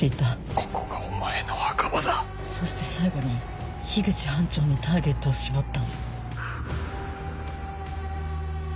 ここがお前の墓場だそして最後に口班長にターゲットを絞った。